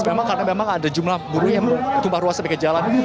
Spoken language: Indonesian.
memang karena memang ada jumlah buruh yang tumbah ruas sampai ke jalan